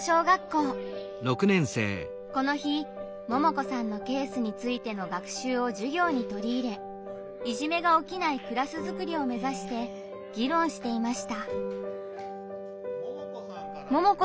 この日ももこさんのケースについての学習を授業に取り入れいじめが起きないクラスづくりを目指して議論していました。